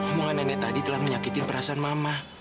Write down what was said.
omongan nenek tadi telah menyakiti perasaan mama